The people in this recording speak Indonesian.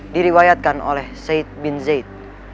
diriwayatkan oleh said bin zaid